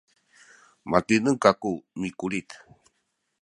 matineng kaku mikulit